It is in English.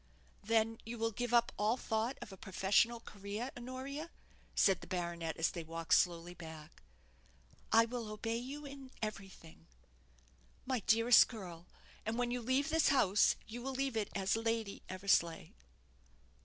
"Then you will give up all thought of a professional career, Honoria?" said the baronet, as they walked slowly back. "I will obey you in everything." "My dearest girl and when you leave this house, you will leave it as Lady Eversleigh."